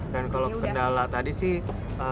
dan kalau kendala tadi sih